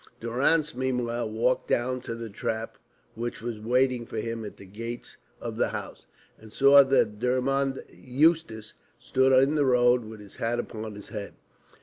Durrance meanwhile walked down to the trap which was waiting for him at the gates of the house, and saw that Dermod Eustace stood in the road with his hat upon his head.